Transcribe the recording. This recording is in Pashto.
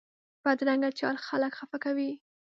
بدرنګه چال خلک خفه کوي